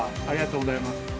ありがとうございます。